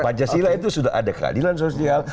pancasila itu sudah ada keadilan sosial